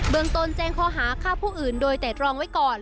เบื้องตนแจ้งคอหาค่าผู้อื่นโดยแตดรองไว้ก่อน